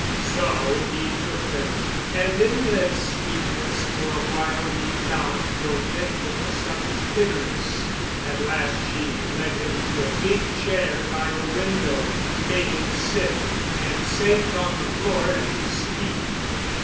So he took them, and in their sweetness for a while found forgetfulness of his bitterness. At last she led him to a big chair by the window, made him sit, and sank on the floor at his feet.